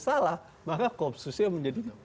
salah maka kopsusnya menjadi